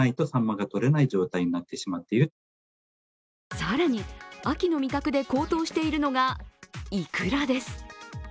更に、秋の味覚で高騰しているのが、いくらです。